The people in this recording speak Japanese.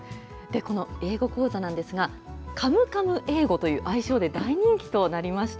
この英語講座なんですが、カムカム英語という愛称で大人気となりました。